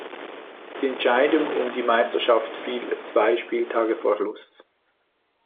Die Entscheidung um die Meisterschaft fiel zwei Spieltage vor Schluss.